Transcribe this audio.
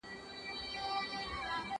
کېدای سي واښه ګډه وي!.